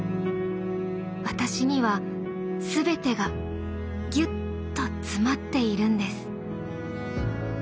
私にはすべてがぎゅっと詰まっているんです。